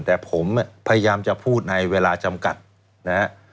แต่ผมเนี่ยพยายามจะพูดในเวลาจำกัดนะครับ